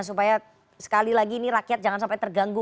supaya sekali lagi ini rakyat jangan sampai terganggu